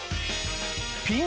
ピン